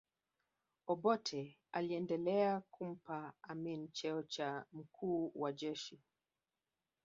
obote aliendelea kumpa amin cheo cha mkuu wa jeshi